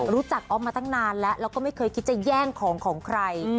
ออฟมาตั้งนานแล้วแล้วก็ไม่เคยคิดจะแย่งของของใคร